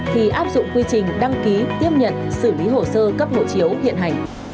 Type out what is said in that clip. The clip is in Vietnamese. thì áp dụng quy trình đăng ký tiếp nhận xử lý hồ sơ cấp hộ chiếu hiện hành